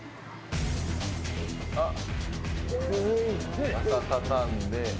あっ傘畳んで。